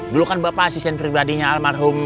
dulu kan bapak asisten pribadinya almarhum